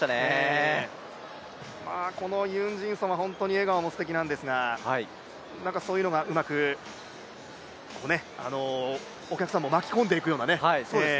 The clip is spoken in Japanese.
このユン・ジンソンは笑顔もすてきなんですがそういうのが、うまくお客さんも巻き込んでいくようなね。